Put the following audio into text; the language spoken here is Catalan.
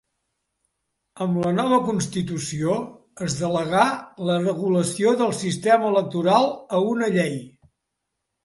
Amb la nova constitució, es delegà la regulació del sistema electoral a una llei.